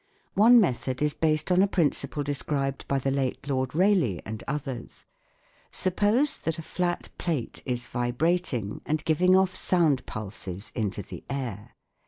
One method is based on a prin ciple described by the late Lord Rayleigh and others. Suppose that a flat plate is vibrating and giving off sound pulses into the air.